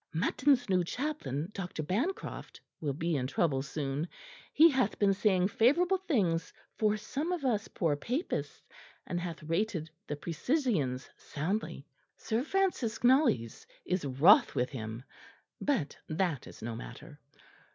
"Mutton's new chaplain, Dr. Bancroft, will be in trouble soon; he hath been saying favourable things for some of us poor papists, and hath rated the Precisians soundly. Sir Francis Knollys is wroth with him; but that is no matter.